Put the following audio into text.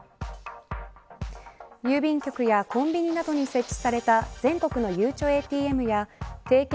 郵便局やコンビニなどに設置された全国のゆうちょＡＴＭや提携